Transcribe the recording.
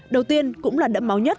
đầu tiên cũng là đẫm máu nhất